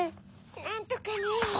なんとかね。